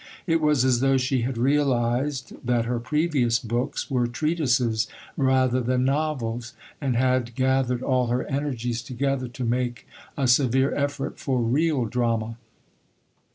It was as though she had realised that her previous books were treatises rather than novels, and had gathered all her energies together to make a severe effort for real drama.